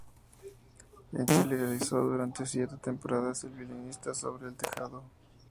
En Chile realizó durante siete temporadas "El violinista sobre el tejado".